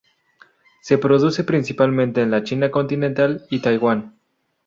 Se produce principalmente en la China continental y Taiwán.